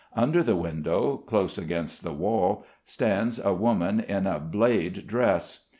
Under the window, close against the wall stands a woman in a blade dress.